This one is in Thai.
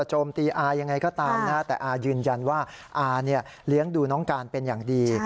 โจมตีอายังไงก็ตามนะฮะแต่อายืนยันว่าอาเนี่ยเลี้ยงดูน้องการเป็นอย่างดี